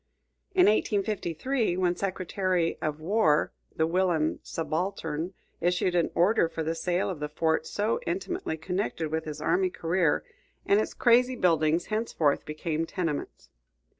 In 1853, when Secretary of War, the whilom subaltern issued an order for the sale of the fort so intimately connected with his army career, and its crazy buildings henceforth became tenements.